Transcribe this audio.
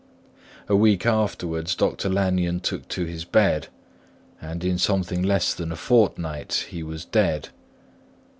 A week afterwards Dr. Lanyon took to his bed, and in something less than a fortnight he was dead.